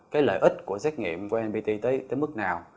cái lợi ích của xét nghiệm của npt tới mức nào